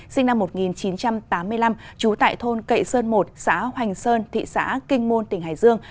sinh năm một nghìn chín trăm tám mươi năm trú tại thôn cậy sơn một xã hoành sơn thị xã kinh môn tỉnh hải dương